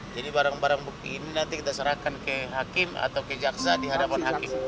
jadi barang barang bukti ini nanti kita serahkan ke hakim atau ke jaksa di hadapan hakim